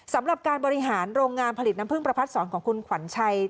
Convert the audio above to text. สำหรับการบริหารโรงงานผลิตน้ำพึ่งประพัดสอนของคุณขวัญชัย